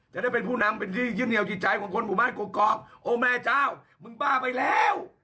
จะได้เป็นผู้นำเป็นที่ยึดเหนียวจิตใจของคนหมู่บ้านกรอกโอ้แม่เจ้ามึงบ้าไปแล้ว